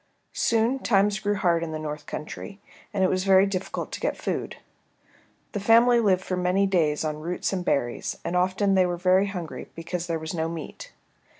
Soon times grew hard in the North Country, and it was very difficult to get food. The family lived for many days on roots and berries, and often they were very hungry because there was no meat.